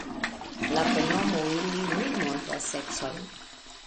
La pronomo ili ne montras sekson.